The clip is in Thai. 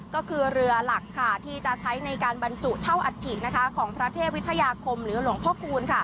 ก็คือเรือหลักที่จะใช้ในการบรรจุเท่าอัฐิของพระเทพวิทยาคมหรือหลวงพ่อคูณ